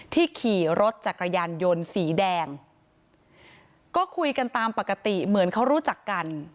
ขี่รถจักรยานยนต์สีแดงก็คุยกันตามปกติเหมือนเขารู้จักกัน